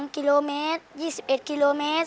๒กิโลเมตร๒๑กิโลเมตร